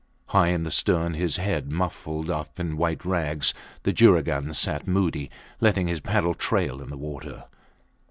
High in the stern, his head muffled up in white rags, the juragan sat moody, letting his paddle trail in the water.